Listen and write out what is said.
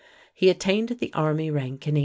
He attained the army rank in 1858.